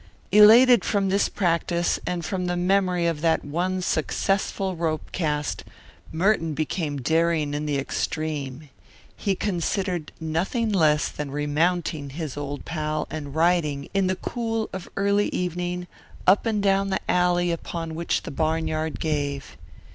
Elated from this practice and from the memory of that one successful rope cast, Merton became daring in the extreme. He considered nothing less than remounting his old pal and riding, in the cool of early evening, up and down the alley upon which the barnyard gave.